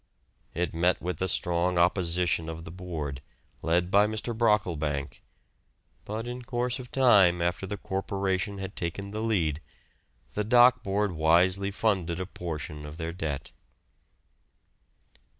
It met with the strong opposition of the Board, led by Mr. Brocklebank, but in course of time after the Corporation had taken the lead, the Dock Board wisely funded a portion of their debt.